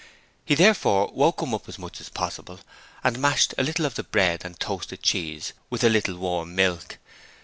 He therefore woke him up as much as possible and mashed a little of the bread and toasted cheese with a little warm milk.